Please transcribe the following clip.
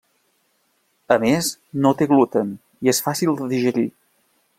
A més, no té gluten i és fàcil de digerir.